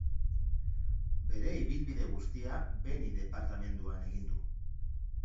Bere ibilbide guztia Beni departamenduan egiten du.